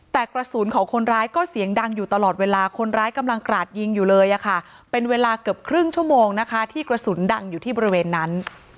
แต่กระสุนของคนร้ายก็เสียงดังอยู่ตลอดเวลาคนร้ายกำลังกราดยิงอยู่เลยค่ะเป็นเวลาเกือบครึ่งชั่วโมงนะคะที่กระสุนดังอยู่ที่บริเวณนั้น